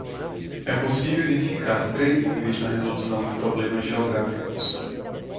É possível identificar três níveis na resolução de problemas geográficos.